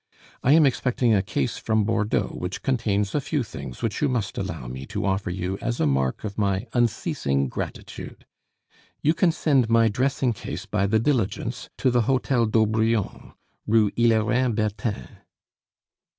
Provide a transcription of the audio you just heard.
I am expecting a case from Bordeaux which contains a few things which you must allow me to offer you as a mark of my unceasing gratitude. You can send my dressing case by the diligence to the hotel d'Aubrion, rue Hillerin Bertin.